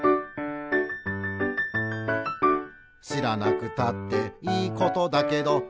「しらなくたっていいことだけど」